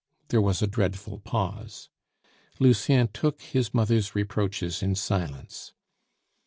There was a dreadful pause; Lucien took his mother's reproaches in silence.